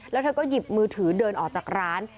แล้วเธอก็หยิบมือถือเดินออกจากร้าน